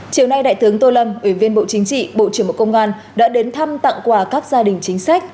chiều nay đại tướng tô lâm ủy viên bộ chính trị bộ trưởng bộ công an đã đến thăm tặng quà các gia đình chính sách